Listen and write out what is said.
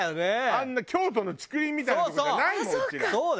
あんな京都の竹林みたいなとこじゃないもんうちら。